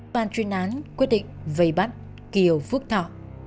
ban chuyên án quyết định vây bắt kiều phước thọ